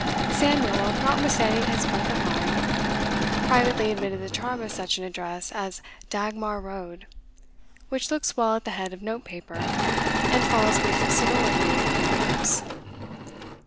Samuel, notwithstanding his breadth of mind, privately admitted the charm of such an address as 'Dagmar Road,' which looks well at the head of note paper, and falls with sonority from the lips.